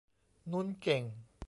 นุ้นเก่ง